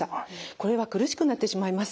これは苦しくなってしまいます。